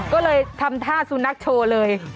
ก็เลยทำท่าสุนัขโชว์เลย